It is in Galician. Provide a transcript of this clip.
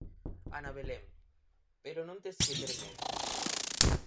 Ana Belén: Pero non tes que ter medo.